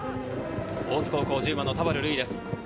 大津高校１０番の田原瑠衣です。